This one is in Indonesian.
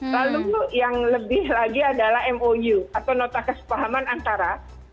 lalu yang lebih lagi adalah mou atau nota kesepahaman antara